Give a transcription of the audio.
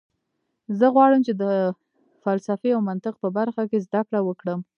زه غواړم چې د فلسفې او منطق په برخه کې زده کړه وکړم